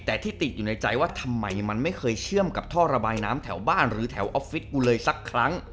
แต่ที่ติดอยู่ในใจว่าทำไมมันไม่เคยเชื่อมกับท่อระบายน้ำแถวบ้านหรือแถวออฟฟิศกูเลยสักครั้ง